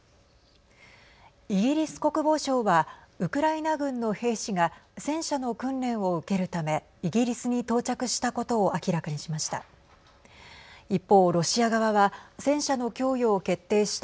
イギリス国防省はウクライナ軍の兵士が戦車の訓練を受けるためイギリスに到着したことを明らかにしました。